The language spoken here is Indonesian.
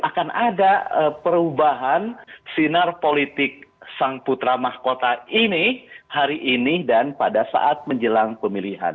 akan ada perubahan sinar politik sang putra mahkota ini hari ini dan pada saat menjelang pemilihan